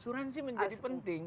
asuransi menjadi penting